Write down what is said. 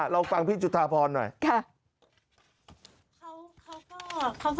ลองฟังพี่จุธาพรหน่อยค่ะ